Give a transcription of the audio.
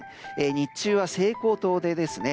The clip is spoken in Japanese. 日中は西高東低ですね。